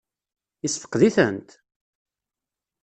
Yessefqed-itent?